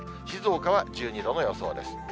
静岡は１２度の予想です。